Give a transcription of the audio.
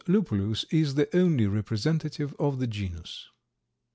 lupulus is the only representative of the genus.